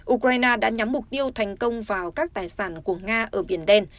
ukraine đã nhắm mục tiêu thành công vào các tài sản của nga ở biển đen